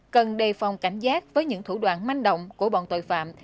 cần đề phòng cảnh giác với những thủ đoạn manh động của bọn tội phạm